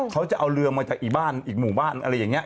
เขาจะเอาเรือมาจากอีบ้านอีกหมู่บ้านอะไรอย่างนี้